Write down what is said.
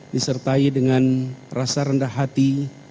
disertai dengan rasa rendah hati